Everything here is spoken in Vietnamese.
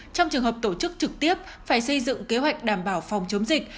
trong trường hợp tổ chức trực tiếp phải xây dựng kế hoạch đảm bảo phòng chống dịch